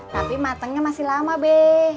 tapi matengnya masih lama be